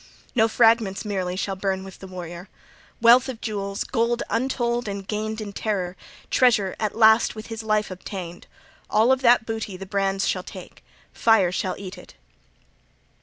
No fragments merely shall burn with the warrior. Wealth of jewels, gold untold and gained in terror, treasure at last with his life obtained, all of that booty the brands shall take, fire shall eat it.